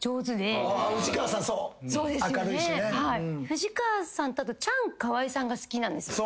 藤川さんとあとチャンカワイさんが好きなんですよ。